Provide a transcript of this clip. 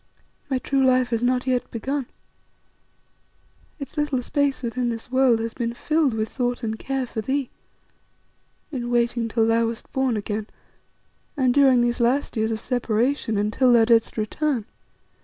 My true life has not yet begun. Its little space within this world has been filled with thought and care for thee; in waiting till thou wast born again, and during these last years of separation, until thou didst return.